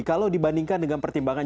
kalau dibandingkan dengan pertimbangan